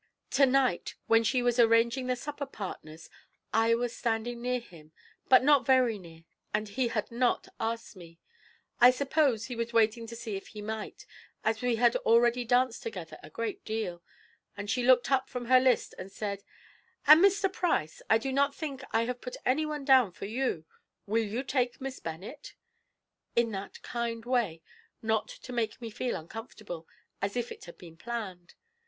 To night, when she was arranging the supper partners, I was standing near him, but not very near, and he had not asked me; I suppose he was waiting to see if he might, as we had already danced together a great deal, and she looked up from her list and said: 'And Mr. Price, I do not think I have put anyone down for you: will you take Miss Bennet?' in that kind way, not to make me feel uncomfortable, as if it had been planned.